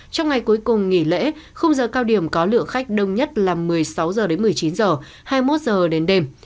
trong ngày cuối cùng nghỉ lễ không giờ cao điểm có lượng khách đông nhất là một mươi sáu h đến một mươi chín h hai mươi một h đến đêm